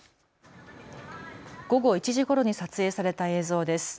午後１時ごろに撮影された映像です。